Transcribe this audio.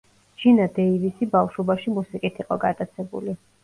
ჯინა დეივისი ბავშვობაში მუსიკით იყო გატაცებული.